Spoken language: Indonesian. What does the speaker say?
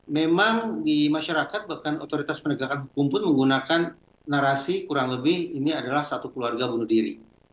memang di masyarakat bahkan otoritas penegakan hukum pun menggunakan narasi kurang lebih ini adalah satu keluarga bunuh diri